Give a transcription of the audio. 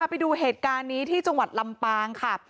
ไปดูเหตุการณ์นี้ที่จังหวัดลำปางค่ะ